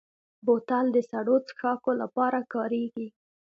بوتل د سړو څښاکو لپاره کارېږي.